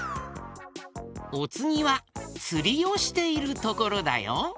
おつぎはつりをしているところだよ。